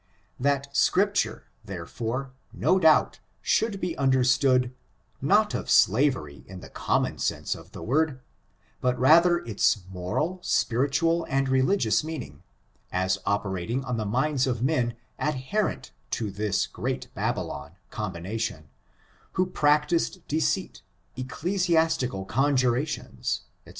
That scripture, therefore, no doubt, should be un derstood, not of slavery in (he common sense of tha word, but rather of its moral, spiritual and religious meaning, as operating on the minds of men adherent to this "great Babylon" combination, who practiced deceit, ecclesiastical conjurations, &c.